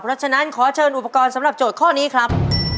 เพราะฉะนั้นขอเชิญอุปกรณ์สำหรับโจทย์ข้อนี้ครับ